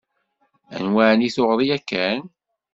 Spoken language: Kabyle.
Anwa εni tuɣeḍ yakan?